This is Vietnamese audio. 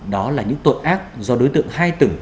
đó là những tội ác do đối tượng hai từng